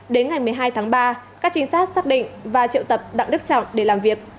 đến ngày một mươi hai tháng ba các trinh sát xác định và triệu tập đặng đức trọng để làm việc